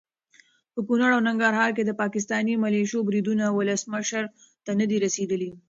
په کنړ او ننګرهار کې د پاکستاني ملیشو بریدونه ولسمشر ته ندي رسېدلي.